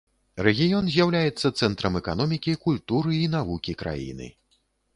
Рэгіён з'яўляецца цэнтрам эканомікі, культуры і навукі краіны.